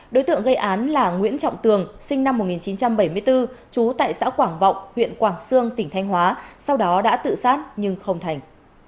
đối tượng gây án là nguyễn trọng tường sinh năm một nghìn chín trăm bảy mươi bốn trú tại xã quảng vọng huyện quảng sương tỉnh thanh hóa sau đó đã tự sát nhưng không thành